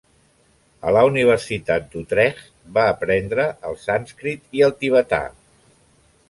A la Universitat d'Utrecht va aprendre el sànscrit i el tibetà.